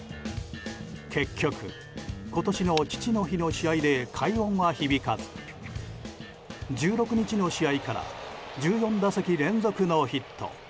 結局、今年の父の日の試合で快音は響かず１６日の試合から１４打席連続ノーヒット。